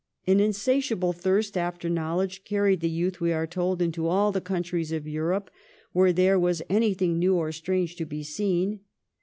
* An insatiable thirst after knowledge carried the youth, we are told, into all the countries of Europe where there was anything new or strange to be seen.